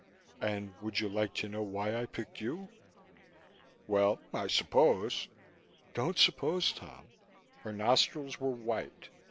And would you like to know why I picked you?" "Well, I suppose " "Don't suppose, Tom." Her nostrils were white.